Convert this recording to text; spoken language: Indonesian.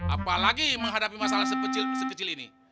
apalagi menghadapi masalah sekecil ini